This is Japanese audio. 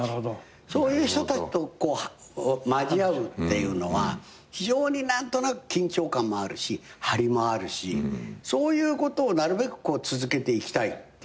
そういう人たちと交じり合うっていうのは非常に何となく緊張感もあるし張りもあるしそういうことをなるべく続けていきたいっていう。